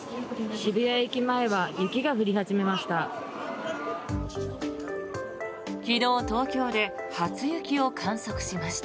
渋谷駅前は雪が降り始めました。